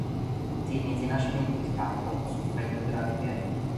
Tenne tenacemente il campo, soffrendo gravi perdite.